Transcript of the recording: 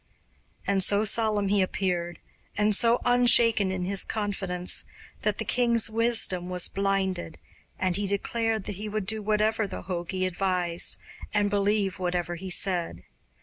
And so solemn he appeared, and so unshaken in his confidence, that the king's wisdom was blinded, and he declared that he would do whatever the jogi advised, and believe whatever he said.